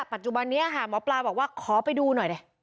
ปัจจุบันนี้ค่ะหมอปลาบอกว่าขอไปดูหน่อยดิ